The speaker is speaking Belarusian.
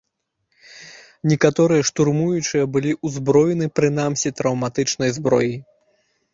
Некаторыя штурмуючыя былі ўзброены прынамсі траўматычнай зброяй.